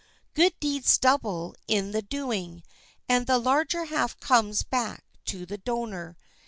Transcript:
Good deeds double in the doing, and the larger half comes back to the donor.